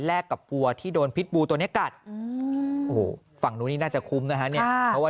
แลกกับวัวที่โดนพิษบูตัวนี้กัดฝั่งนู้นน่าจะคุ้มนะคะว่า